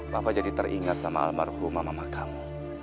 papa jadi teringat sama almarhumah mama kamu